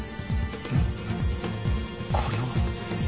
これは。